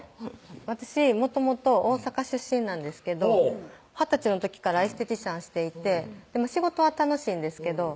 私もともと大阪出身なんですけど二十歳の時からエステティシャンしていて仕事は楽しいんですけど